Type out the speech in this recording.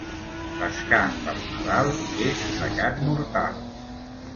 Pescar per Nadal és pecat mortal.